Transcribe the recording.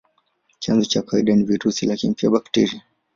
Chanzo cha kawaida ni virusi, lakini pia bakteria.